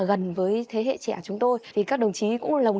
đăng ký kênh để ủng hộ kênh của mình nhé